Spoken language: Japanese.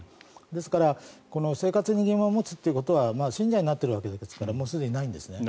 ですから生活に疑問を持つということは信者になっているわけですからもうすでにないんですね。